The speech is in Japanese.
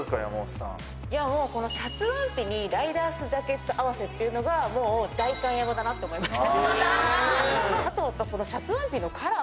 このシャツワンピにライダーズジャケット合わせっていうのが、もう代官山だなって思いました。